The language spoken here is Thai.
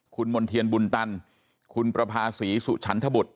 คุณมณ์เทียนบุญตันคุณประภาษีสุฉันทบุตร